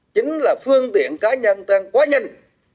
chính là phương tiện cá nhân tăng quá nhanh